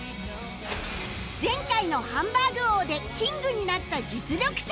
前回のハンバーグ王でキングになった実力者